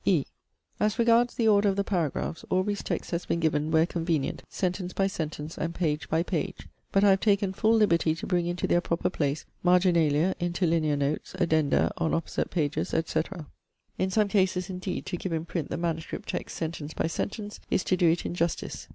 (e) As regards the order of the paragraphs, Aubrey's text has been given, where convenient, sentence by sentence, and page by page. But I have taken full liberty to bring into their proper place marginalia, interlinear notes, addenda on opposite pages, &c. In some cases, indeed, to give in print the MS. text sentence by sentence is to do it injustice.